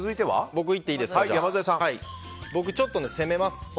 僕、ちょっと攻めます。